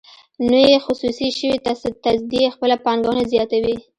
نوې خصوصي شوې تصدۍ خپله پانګونه زیاتوي.